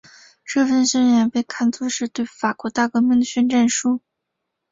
这份宣言被看作是对法国大革命的宣战书。